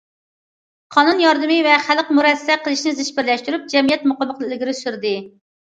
قانۇن ياردىمى ۋە خەلق مۇرەسسە قىلىشنى زىچ بىرلەشتۈرۈپ، جەمئىيەت مۇقىملىقىنى ئىلگىرى سۈردى.